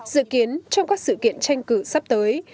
dự kiến trong các sự kiện tranh cử sắp tới